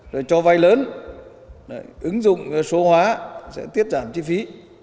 rồi cho vay lớn ứng dụng số hóa sẽ tiết giảm chi phí